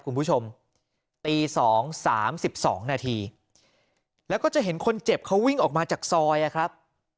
คุณผู้ชมตี๒๓๒นาทีแล้วก็จะเห็นคนเจ็บเขาวิ่งออกมาจากซอยนะครับ